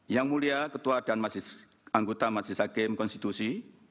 yang mulia ketua dan anggota majelis hakim konstitusi